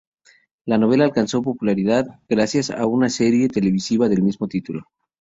La novela alcanzó popularidad gracias a una serie televisiva del mismo título.